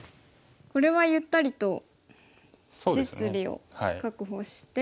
これはゆったりと実利を確保して。